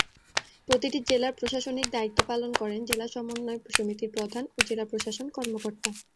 প্রতিটি জেলার প্রশাসনিক দায়িত্ব পালন করেন জেলা সমন্বয় সমিতির প্রধান ও জেলা প্রশাসন কর্মকর্তা।